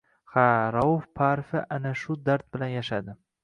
Ha, Rauf Parfi ana shu dard bilan yashadi.